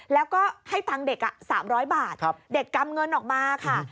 แล้วก็ให้ตังค์เด็ก๓๐๐บาทเด็กกำเงินออกมาค่ะ